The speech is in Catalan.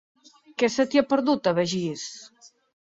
Què se t'hi ha perdut, a Begís?